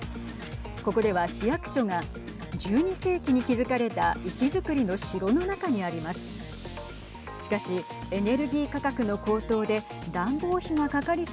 ここでは市役所が１２世紀に築かれた石造りの城の中にあります。